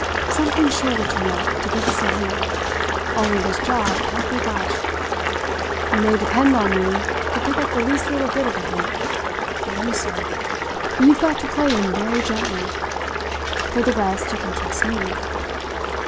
"Something's sure to turn up to give us a hint; only this job can't be rushed. You may depend on me to pick up the least little bit of a hint; but you, sir you've got to play him very gently. For the rest you can trust me."